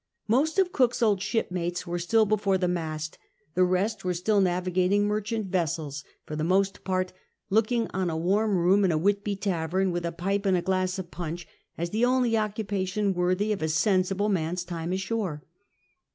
Most oi Cook's old shipmates were still before the mast; the rest were still navigating merchant vessels, for the most part looking on a warm room in a Whitby tavern, with a pipe and a glass of punch, as the only occupation worthy of a sensible man's time ashore.